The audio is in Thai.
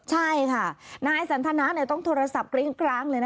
ใช่ค่ะนายสันธนาต้องโทรศัพท์กล้าง